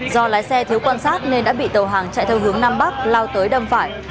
do lái xe thiếu quan sát nên đã bị tàu hàng chạy theo hướng nam bắc lao tới đâm phải